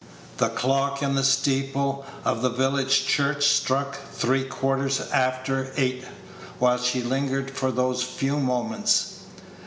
The clock in the steeple of the village church struck the three quarters after eight while she lingered for those few moments.